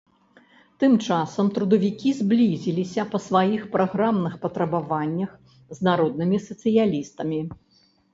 Тым часам трудавікі зблізіліся па сваіх праграмных патрабаваннях з народнымі сацыялістамі.